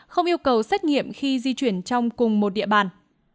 không yêu cầu xét nghiệm khi di chuyển trong cùng một địa bàn